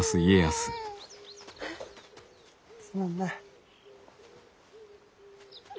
すまんな。